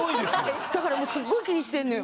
だからもうすっごい気にしてんのよ。